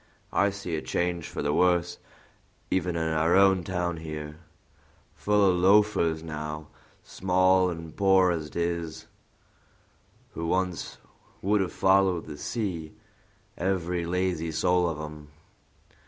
I see a change for the worse even in our own town here; full of loafers now, small and poor as 'tis, who once would have followed the sea, every lazy soul of 'em.